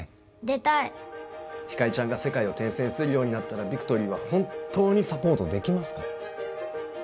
出たいひかりちゃんが世界を転戦するようになったらビクトリーは本当にサポートできますか？